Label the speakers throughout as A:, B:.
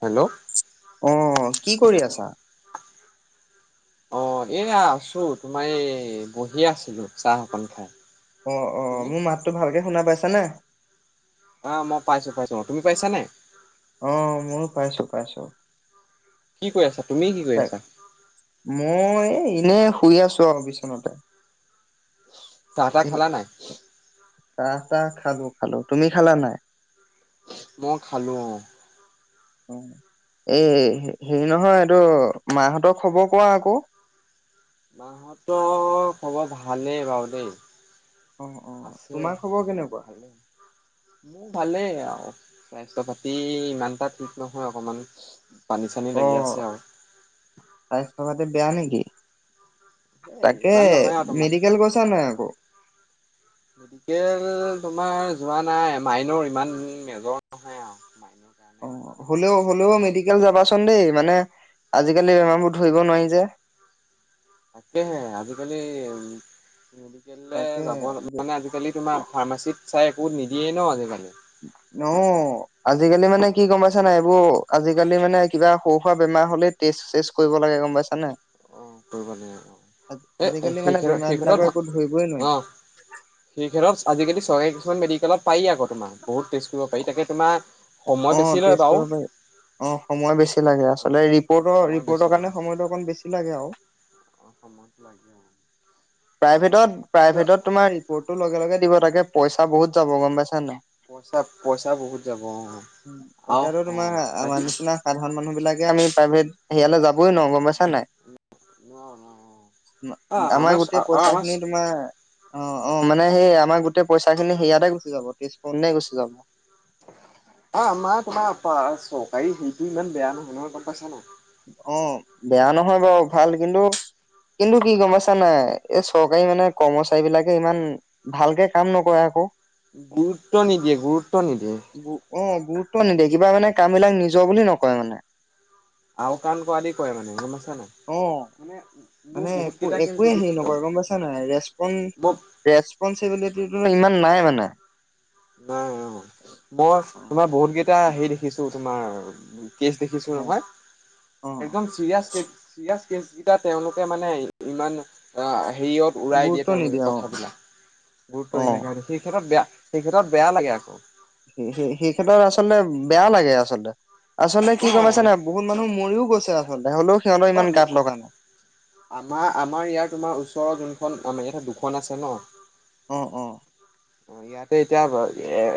A: Hello
B: অঁ কি কৰি আছা
A: অঁ এয়া আছো তোমাৰ এই বহি আছিলো চাঁহ অকন খাই
B: অঁ অঁ
A: তুমি?
B: মোৰ মাততো ভালকে শুনা পাইছ চানে
A: অঁ মই পাইছো পাইছো তুমি পাইছা নে
B: অঁ ময়ো পাইছো পাইছো
A: কি কৈ আছা তুমি কি কৰি
B: হয়
A: আছা?
B: মই এনে শুই আছো আৰু বিচনাতে
A: চাহ টাহ
B: এ
A: খালা নাই?
B: চাহ তাহ খালো খালো তুমি খালা নে?
A: মই খালো অঁ
B: এই হেৰি নহয় এইটো মা হতৰ খবৰ কোৱা আকৌ
A: মাহতটো খবৰ ভালেই বাৰু দেই
B: অ অ
A: আছে
B: তোমাৰ খবৰ
A: অঁ
B: কেনেকুৱা
A: ভালেই মোৰ ভালেই আৰু স্বাস্থ্য পাতি ইমানটা ঠিক নহয় অকমান পানী চানী লাগি
B: অঁ
A: আছে আৰু।
B: স্বাস্থ্যপাতি বেয়া নেকি? নিকি
A: এই
B: তাকে
A: ইমান নহয় আৰু তোমাৰ।
B: মেডিকেল গৈছা নে আকৌ
A: মেডিকেল তোমাৰ যোৱা নাই মাইনৰ ইমান মেজৰ নহয় আৰু মাইনৰ কাৰণে যোৱা
B: অঁ
A: নাই আৰু।
B: হ'লেও হ'লেও মেডিকেল যাবাচোন দেই মানে আজিকালি বেমাৰবোৰ ধৰিব নোৱাৰি যে
A: তাকেহে আজিকালি উম আজিকালৈ যাব
B: তাকে
A: মানে আজিকালি তোমাৰ ফাৰ্মাচীত চাই সোৰ নিদিয়ে ন'আজি কালি।
B: অ আজিকালি মানে কি গম পাইছা না এইবোৰ আজিকালি মানে কিবা সৰু সুৰা বেমাৰ হলে টেষ্ট চেষ্ট কৰিব লাগে। গম পাইছা নাই।
A: অ এ
B: আজিকালি মানে
A: সেইত
B: বেমাৰ
A: সেই ক্ষেত্ৰত
B: বিলাকৰ একো ধৰিবই নোৱাৰি
A: অ সেই ক্ষেত্ৰত আজিকালি চৰকাৰী কিছুমান মেডিকেলত। পাৰি আকৌ তোমাৰ। বহুত টেষ্ট কৰিব পাৰি তাকে তোমাৰ। সময়
B: অ
A: বেছি লয়
B: টেষ্ট
A: বাৰু
B: কৰিব পাৰি অ সময় বেছি লাগ।
A: অ',
B: মানে
A: অ',
B: ৰিপৰ্টৰ
A: সময় বেছি
B: কাৰণে সময়টো অকণ বেছি লাগে আৰু।
A: ত লাগে।
B: প্ৰাইভেট।
A: কিন্তু
B: প্ৰাইভেটত তোমাৰ ৰিপৰ্টটো লগে লগে দিব তাকে। পইচা বহুত যাব গম পাছো।
A: পইচা পইচা বহুত যাব অ অ আহ
B: এতিয়াতো
A: অ
B: তোমাৰ আমাৰ
A: বাকি।
B: নিচিনা সাধাৰণ মানুহ বিলাকে আমি প্ৰাইভেট হেৰিয়ালে যাবই নোৱাৰো ন' গম পাইছো। নাই
A: নোৱাৰো নোৱাৰো অ',
B: আমাৰ গোটেই।
A: অ',
B: পইচা
A: আমাৰ
B: খিনি তোমাৰ অ অ। মানে সেই আমাৰ গো। তে পইাচা খিনি হেৰিয়ালে গুচি যাব। তেজপুৰলে গুচি যাম।
A: অ মা তোমাৰ চৰকাৰী হেইটো ইমান বেয়া নহয় নহয় গম পাইছা নে।
B: অ বেয়া ন'। নহয় বাৰু ভাল কিন্তু। কিন্তু কি গম পাইছা নে নাই এই চৰকাৰী মানে কৰ্মচাৰী বিলাকে ইমান ভালকে কাম নকৰে আকৌ।
A: গুৰুত্ব নিদিয়ে গুৰুত্ব নিদিয়ে।
B: অ গুৰুত্ব নিদিয়ে কিবা মানে কামবিলাক নিজৰ বুলি নকয় মানে।
A: আও কান ক আদি ক মানে। নাই।
B: অ
A: মানে মোৰ
B: মানে
A: বহুত
B: একো
A: কেইটা কেছ
B: একোৱে হেৰি
A: দেখিছোঁ
B: নকয় গম পাইছা নাই ৰেপন
A: মই
B: ৰেচপনচিবিলিটো ইমান। নাই মানে।
A: নাই অ মই
B: অ
A: তোমাৰ বহুত কেইটা হে। দেখিছো তোমাৰ। কেচ দেখিছো
B: হয়
A: নহয়,
B: অ
A: একদম চিৰিয়াচ চিৰিয়া। কেচ কেইটা তেওঁলোকে মানে ইমান অ। হেৰিয়ত উৰাই দিয়ে
B: গুৰুত্ব
A: তেওঁলোকে
B: নিদিয়ে অ
A: কথাবিলাক গুৰুত্ব
B: অ
A: নিদিয়াকে হয় সেই ক্ষেত্ৰত বেয়া। সেই ক্ষেত্ৰত বেয়া লাগে আকৌ।
B: সে সেই ক্ষেত্ৰত আচলতে বেয়া লাগে আচলতে। আচলতে
A: অ
B: কি গমপাই ছানে বহুত মানুহ মৰিও গৈছে [unintelligible]
A: অঁ
B: গাত লগা নাই।
A: আমাৰ আমাৰ ইয়াৰ তোমাৰ ওচৰৰ যোন খন আমাৰ ই দুখন আছে ন
B: অঁ অঁ
A: ইয়াতে এতিয়া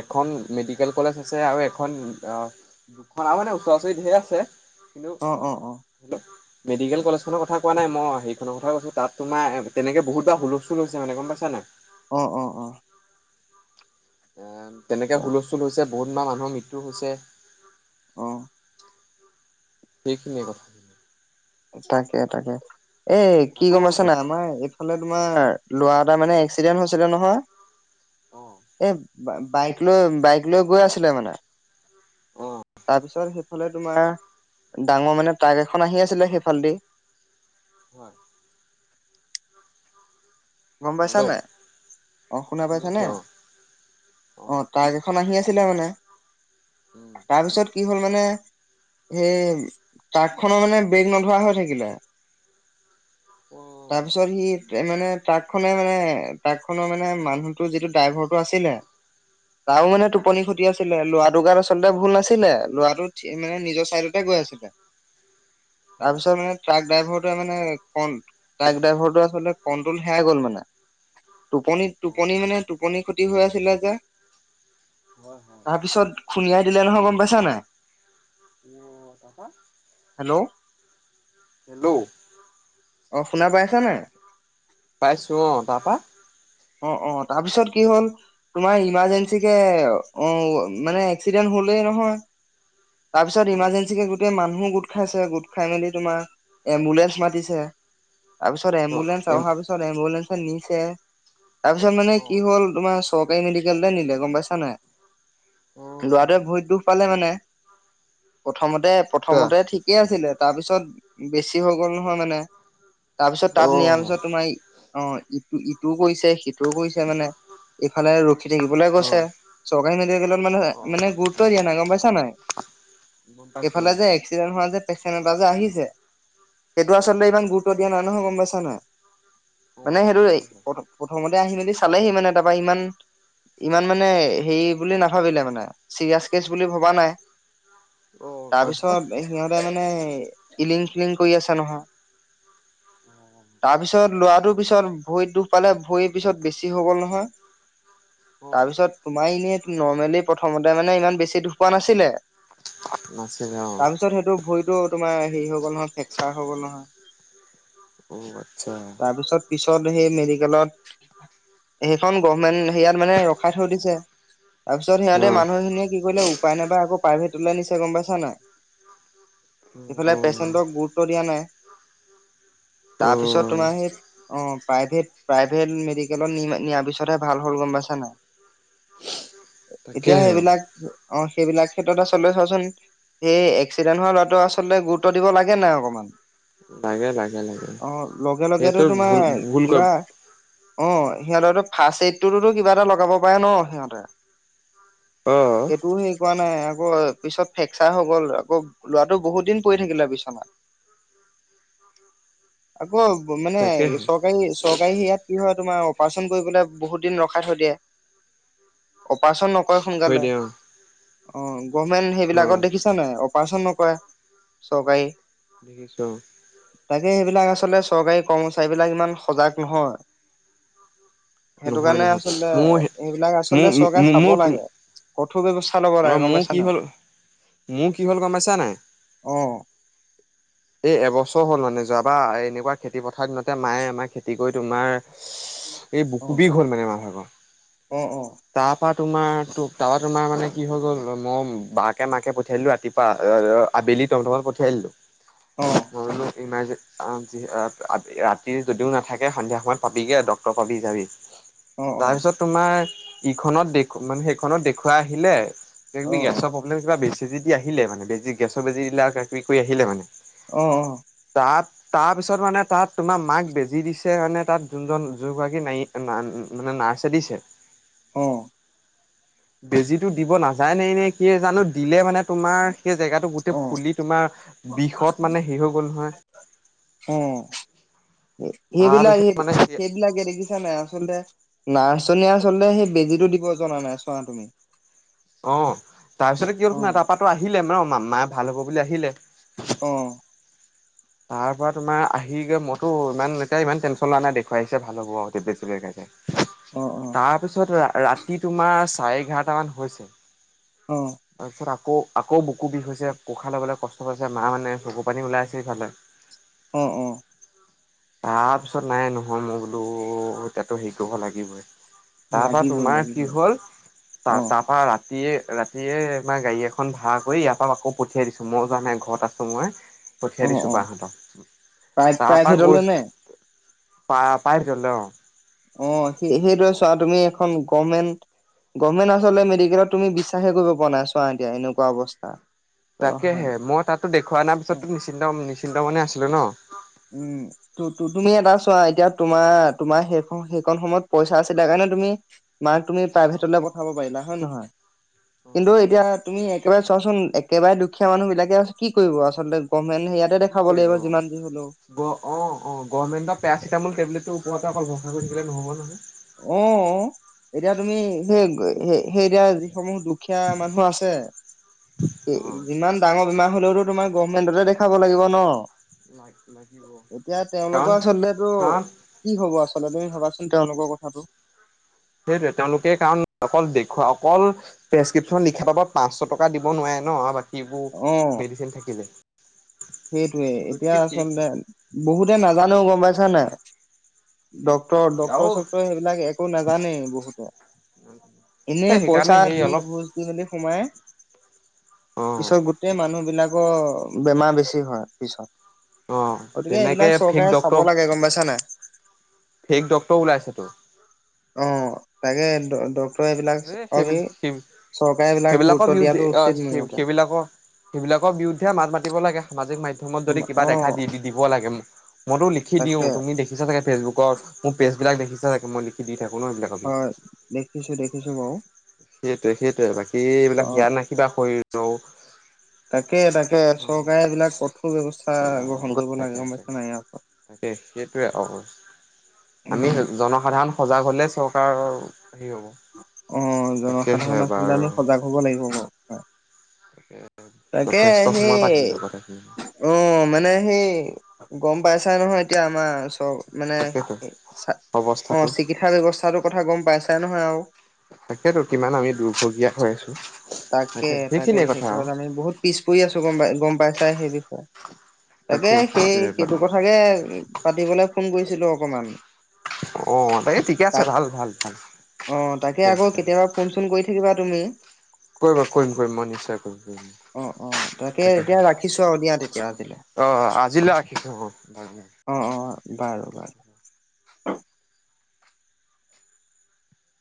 A: এখন মেডিকেল কলেজ আছে আৰু এখন দুখন আৰু মানে ওচৰা ওচৰিত ঢেৰ আছে কিন্তু
B: অঁ অঁ অঁ
A: মেডিকেল কলেজ খনৰ কথা কোৱা নাই মই সেইখনৰ কথা কৈছো তাত তোমাৰ তেনেকে বহুত বাাৰ হুলস্থুল হৈছে মানে গম পাইছা নাই
B: অঁ অঁ অঁ
A: এন তেনেকে হুলস্থুল হৈছে। বহুতমান মানুহৰ মৃত্যু হৈছ
B: অঁ।
A: সেইখিনিয়ে কথা।
B: তাকে তাকে এ কি
A: আকৌ
B: গম পাই চা নাই আমাৰ এইফালে তোমাৰ ল'ৰা এটা মানে এক্সিডেন্ট হৈছিলে নহয়
A: অ
B: এই বাইক লৈ বাইক লৈ গৈ আছিলে মানে
A: অ
B: তাৰপিছত সেই ফালে তোমাৰ ডাঙৰ মানে ট্ৰাক এখন আহি আছিলে সেই ফালেদি
A: হয়
B: গম পাইছা
A: হেল্ল'
B: নে অঁ শুনা
A: শুনি
B: পাইছানে
A: আছো অ অ
B: অঁ তাকএইখন আহি আছে ছিলে মানে
A: উম
B: তাৰপিছত কি হ'ল মানে সেই ট্ৰাক খনৰ মানে ব্ৰেক নধৰা হৈ থাকিলে
A: অ
B: তাৰপিছত সি মানে'' ট্ৰাক খনে মানে ট্ৰাক খনৰ মানে মানুহতো যিটো ড্ৰাইভাৰ আছিলে তাৰও মানে
A: উম
B: টোপনি খতি আছিলে লৰা টো কাৰ আচলতে ভুল নাছিলে ল'ৰাটো মানে নিজৰ চাইডতে গৈ আছিলে।
A: হয়
B: তাৰপিছত মানে ট্ৰাক ড্ৰাইভাৰে মানে ক ট্ৰাক ড্ৰাইভাৰ হেৰাই গল মানে, টোপনি টোপনি
A: আচ্ছা
B: মানে টোপনি ক্ষতি হৈ আছিলে, যে
A: হয় হয়
B: তাৰপিছত খুন্দিয়াই দিলে নহয় গম পাইছা নাই
A: অ তাৰপা
B: হেল্ল'
A: হেল্ল'
B: অঁ শুনা পাইচে শুনিছা নাই
A: পাইছো অঁ তাৰপা
B: অ অ তাৰপিছত কি হ'ল তোমাৰ ইমাৰজেঞ্চিকে অ মানে এক্সিডেন্ট হলেই নহয় তাৰ পিছত
A: হয়
B: ইমাৰ্জেঞ্চি কে গোটে মানুহো গোট খাইছে গোট খাই মেলি তোমাৰ এম্বুলেন্ঞ্চ মাতিছে তাপিছত এম্বুলেন্স ত
A: অ
B: অহাৰ পিছত এম্বুলেঞ্চ নিছে তাৰপিছত মানে কি
A: অ'।
B: হ'ল তোমাৰ চৰকাৰী মেডিকেললে নিলে গম পাইছা নাই লৱাটোৱে ভৰিত দুখ পালে মানে প্ৰথমতে
A: আচ্ছা
B: প্ৰথমতে ঠিকেই আছিলে তাৰপিছত বেছি হৈ গ'ল নহয় মানে তাৰপিছত তাত নিয়াৰ
A: অ',
B: পিছত অ ইটো ইটোও কৈছে সিটোও কৰিছে মানে এইফালে ৰখি থাকিবলৈ কৈছে চৰকাৰী মেডিকেলত মানে
A: অ'।
B: মানে গুৰুত্ব দিয়াই নাই গম পাইছা নাই
A: গম পাইছো
B: এইফালে যে এক্সিডেন্ট হোৱা যে পেচেণ্ট এটা যে আহিছে সেইটো
A: অ',
B: আচলতে ইমান গুৰুত্ব দিয়া নাই নহয় গম পাইছা নাই
A: অ',
B: মানে
A: অ', তাকেহে
B: সেইটো প্ৰথমতে আহি মেলি চালেহি মানে তাৰপা ইমান ইমান মানে হেৰি বুলি নাভাবিলে মানে চিৰিয়াচ কেচ বুলি ভবা নাই তাৰপিছত সিহঁতে মানে ইলিং খিলিং কৰি আছে নহয়
A: অ
B: তাৰ পিছত ল'ৰাটো পিছত ভৰিত দুখ পালে ভৰিৰ পিছত বেছি হৈ গ'ল নহয়
A: অ',
B: তাৰপিছত তোমাৰ এনেই নৰ্মেলি প্ৰথমতে মানে ইমান বেছি দুখপোৱা নাছিলে
A: নাছিল অ',
B: তাৰপিছত সেইটো ভৰিটো তোমাৰ হেৰি হৈ গ'ল নহয় ফ্ৰেকচাৰ হৈ গ'ল নহয়
A: অ', আচ্ছা
B: তাৰপিছত পিছত সেই মেডি কেলত সে খন গভমেন্ট সেয়াত মানে ৰখাই থৈ দিছে তাৰপিছত সিহঁতে
A: অ',
B: মানুহখিনিয়ে কি কৰিলে উপায় নাপাই আকৌ প্ৰাইভেটলৈ নিছে গম পাইছা নাই ইফালে
A: অ',
B: পেচেণ্টক গুৰুত্ব দিয়া নাই তাৰপিছত
A: অ'।
B: তোমাৰ সেই অ প্ৰাইভেট মেডিকেল ত নিয়াৰ পিছতে ভাল হ'ল গম পাইছা নাই এতিয়া
A: তাকেহে
B: সেইবিলাক অ সেইবিলাক ক্ষেত্ৰত আচলতে চোৱাচোন সেই এক্সিডেণ্ট হোৱা ল'ৰাটো আচলতে গুৰুত্ব দিব লাগে নাই অকণমান
A: লাগে লাগে লাগে
B: অ লগে লগেতো
A: সেইটো ভুল
B: তোমাৰ
A: ভুল ক
B: কিবা অ সিহঁতেতো ফাৰ্ষ্ট এইডটোতো কিবা এটা লগাব পাৰে ন সিহঁতে
A: অহ
B: পোৱা নাই আকৌ পিছত ফ্ৰেকচাৰ হৈ গ'ল আকৌ ল'ৰাটো বহুত দিন পৰি থাকিলে বিছনাত আকৌ মানে
A: তাকেহে
B: চৰকাৰী চৰকাৰী ইয়াত কি হয় তোমাৰ অপাৰেচন কৰিবলে বহুত দিন ৰখাই থৈ দিয়ে অপাৰেচন কয়
A: থৈ
B: সোনকালে
A: দিয়া অ',
B: অ গভমেণ্ট সেইবিলাকত
A: অ',
B: দেখিছ নাই অৰপাছন নকৰে চৰকাৰি
A: দেখিছো
B: তাকে সেইবিলাক আচলতে চৰকাৰী কৰ্মচাৰী বিলাক ইমান সজাগ নহয় সেইটো
A: নহয়
B: কাৰণে
A: নহয়
B: আচলতে
A: মোৰ
B: সেইবিলাক
A: মোৰ
B: আচলতে চৰকাৰে চাব
A: মোৰ
B: লাগে থ চাই লব লাগে
A: অ',
B: গম
A: মোৰ
B: পাইছা
A: কি
B: নাই
A: হ'ল মোৰ কি হ'ল গম পাইছানে নে এই এবছৰ হ'ল মানে যোৱাবা এনেকুৱা খেতি পথাৰ দিনতে মায়ে আমাৰ খেতি কৰি তোমাৰ এই বুকুবিষ হ'ল মানে মাহ ভাগৰ
B: অহ অহ
A: তাৰ পৰা তোমাৰ তাৰ তোমাৰ মানে কি হৈ গ'ল ম বঘ তে মাকে পঠিয়াই দিলে ৰাতিপুৱা আবেলি টমটমত পঠিয়াই দিলে মই বোলো ইমাৰজে ৰাতি যদিও নাথাকে সন্ধিয়া সময়ত পাবিগৈ আৰু ডাক্তৰ পাবি যাবি তাৰপিছত তোমাৰ ইখনত দেখ মানে সেইখনত দেখওুৱাই আহিলে একিবি গেছ প [unintelligible] কিবা বেছিজদি আহিলে মানে বেজি গেছৰ বেজি দিলে [unintelligible] কৰি আহিলে মানে
B: আহ অ
A: তাত তাৰপিছত মানে তাত তোমাৰ মাক বেজি দিছে মানে তাত যোনজন যোনগৰাকী ন মানে নাৰছে দিছে
B: হ
A: বেজিতো দিব নাযায় নে এনেই স জানো দিলে মানে তোমাৰ সেই জেগাটো গোটেই ফুলি তোমাৰ বিষত মানে হে হৈ গ'ল নহয় তাৰপিছত মানে স
B: আল নাৰছ জনী আচলতে সেই বেজীটো দিব জনা নাই চোৱা তুমি
A: অ তাৰপিছতে কি ৰ
B: অ
A: শুনা তাৰ পাত আহিলে মানে ম মায়ে ভাল হ'ব বুলি আহিলে
B: অ
A: তাৰ পৰা তোমাৰ আহি গৈ মইতো ইমান এতিয়া ইমান টেনশন লোৱা নাই দেখুৱাইছে ভাল হ'ব আও
B: অ
A: তাৰপিছত ৰাতি তোমাৰ চাৰে এঘাৰটা মান হৈছে
B: অ অ
A: তাৰপিছত ৰা আকৌ আকৌ বুকু বিষ হৈছে উশাহ ল'বলৈ কষ্ট পাইছে মা মানে চকু পানী ওলাই আছে ইফালে
B: অঁ অঁ
A: তাৰপিছত নাই নহয় মই বোলো এতিয়ো হেৰি কৰিব লাগিবই তাৰ পৰা,
B: লাগিবই
A: তোমাৰ কি
B: লাগিবই
A: হ'ল ত
B: অ
A: তাৰ পৰা ৰাতিয়ে ৰাতিয়ে তমাৰ গাড়ী এখন ভাড়া কৰি ইয়াৰ পৰা আকৌ পঠিয়াই দিছো মই যোৱা নাই ঘৰত আছো মই পঠিয়াই
B: অঁ
A: দিছো
B: অঁ।
A: তাৰ পৰা গৈ
B: নে
A: প্ৰাইভেট লৈ অঁ।
B: অঁ স সেইটোৱে চোৱা তুমি এখন গভমেণ্ট গভমেণ্ট আচলতে মেডিকেলত তুমি বিশ্বাসে কৰিব পৰা নাই চোৱা এতিয়া এনেকুৱা অৱস্থা
A: তাকেহে
B: জনসাধাৰণৰ
A: মই তাতো দেখুৱা অনাৰ
B: অ
A: পিছতো নিশ্চিন্ত নি চিন্তা মনে আছিলো ন
B: উম ত তুমি এটা চোৱা এতিয়া তোমাৰ তোমাৰ সেইখন সেইখন সময়ত পইচা আছিলা কাৰণে তুমি মাক তুমি প্ৰাইভেটত পঠাব পাৰিলা হয় ন নহয়
A: অ
B: কিন্তু এতিয়া
A: সেইটোৱে
B: তুমি একেবাৰে চোৱাচোন একেবাৰে দুখীয়া মানুহ বিলাকে কি কৰিব আচলতে গ মানে ইয়াতে দেখাব লাগিব যিমান দিন হলেও
A: অঁ অঁ গভৰমেণ্ট পেৰাচিটামল টেবলেট ত অকল ভৰষা কৰি থাকিলে নহ'ব নহয়
B: অঁ এতিয়া তুমি সেই সেই সেই এতিয়া যিসমূহ দুখীয়া মানুহ আছে
A: হয়।
B: যিমান ডাঙৰ বেমাৰ হ'লেওটো তোমাৰ গৰ্ভমেণ্টতে দেখাব লাগিব ন
A: লাগ লাগিব।
B: এতিয়া
A: কাৰণ
B: তেওঁলোকৰ আচলতেটো
A: কাৰণ
B: কি হ'ব আচ লত তুমি ভাবাচোন তেওঁলোকৰ কথা কথাটো
A: সেইটোৱে তেওঁলোকে কাৰণ অকল দেখুৱা অকল প্ৰেছক্ৰিপশ্যন লিখা বাবদ পাঁচশ টকা দিব নোৱাৰে ন আৰু বাক কিবোৰ
B: অ
A: মেডিচিন থাকিলে
B: সেইটোৱে এতিয়া
A: গতিকে সেই
B: আচলতে বহুতে নাজানেও গম পাইছো না নাই ডক্টৰ
A: সেই
B: ডক্টৰ
A: আৰু
B: চক্টৰ সেইবিলাক একো নাজানেই বহুতে
A: এ
B: এনেই
A: সেইকাৰণে
B: পইচা
A: সেই
B: দি
A: অলপ
B: ঘোচ দি মেলি সোমাই,
A: অ
B: পিছত গোতেই মানুহ বিলাকৰ বেমাৰ বেছি হয় পিছত
A: অ
B: গতিকে
A: তেনেকে
B: এইবিলাক
A: ফেক
B: চৰকাৰে চাব
A: ডক্তৰ
B: লাগে গম পাইছা নাই
A: ফেক ডক্টৰো ওলাইছেটো
B: অহ তাকে ড ডক্ট
A: সেই বলি সি
B: এইবিলাক
A: সেইবিলাকৰ
B: গুৰুত্ব
A: বিৰুদ্ধে
B: দিয়াটো
A: অ
B: উচিত মোৰ
A: সেই
B: মতে।
A: সেইবিলাকৰ সেইবিলাকৰ বিৰুদ্ধে মাত মাতিব লাগে সামাজিক মাধ্য মত যদি কিবা
B: অ
A: দেখা দি দিব লাগে মইতো লিখি দিওঁ
B: তাকে
A: তুমি দেখিছা চাগে ফেচবুকত মোৰ পেজ বিলাক দেখিচা চাগে মই লিখি দি থাকো ন এইবিলাকৰ বিষয়ে।
B: হয় দেখিছো দেখিছো বাৰু
A: সেইটোৱে সেইটোৱে বাকী
B: অ।
A: এইবিলাক জ্ঞান না কিবা শৰীৰ অ [unintelligible]
B: তাকে তাকে চৰকাৰে এইবিলাক ব্যৱস্থা গ্ৰহণ
A: অহ
B: কৰিব লাগে
A: তাকে
B: গম পাইছা
A: তাকে
B: নাই ইয়াৰ ওপৰত।
A: তাকে সেইটোৱে অ আমি
B: উম
A: জনসাধাৰণ সজাগ হলে চৰকাৰৰ
B: অ জনসাধাৰণ আচলতে
A: বাৰু
B: আমি সজাগ হব লাগিব বাৰু হয়
A: সেয়াই
B: তাকে সেই অ মানে সেই গম পাইছাই নহয় এতিয়া আমাৰ চৰ মানে
A: তাকেতো
B: এ চা অ
A: অৱস্থাটো
B: চিকিৎসা ব্যৱস্থাটোৰ কথা গম পাইছাই নহয় আৰু
A: তাকেতো কিমান আমি দুৰ্ভগীয়া হৈ আছো।
B: তাকে তাকে
A: সেইখিনিয়ে
B: সেই
A: কথা আৰু
B: ক্ষেত্ৰত আমি বহুত পিছ পৰি আছো গম পাই গম পাই চাই সেই বিষয়ে তাকে সেই
A: সেইটোৱে বাৰু
B: সেইটো কথাকে পাতিবলে ফোন কৰিছিলো অকণমান
A: অ তাই ঠিকে আছে ভাল ভাল ভাল
B: অ তাকে
A: ঠিকে
B: আকৌ
A: আছে
B: কেতিয়াবা ফোন চোন কৰি থাকিবা [unintelligible] তুমি
A: কৰিব কৰিম কৰিম মই নিশ্চয় কৰিম কৰিম
B: অ অ তাকে এতিয়া
A: তাকেহে
B: ৰাখিছো আৰু দিয়া তেতিয়া আজিলৈ
A: অ আজিলৈ ৰাখিছো। বাৰু
B: অ অ বাৰু বাৰু